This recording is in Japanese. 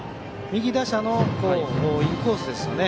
右打者のインコースですよね。